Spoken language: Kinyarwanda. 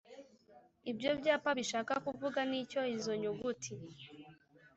ibyo byapa bishaka kuvuga n’icyo izo nyuguti,